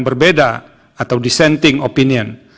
berbeda atau dissenting opinion